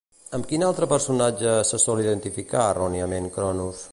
Amb quin altre personatge se sol identificar erròniament Chronos?